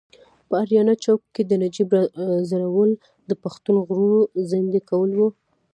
په اریانا چوک کې د نجیب راځړول د پښتون غرور زیندۍ کول و.